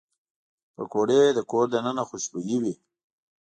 پکورې د کور دننه خوشبويي وي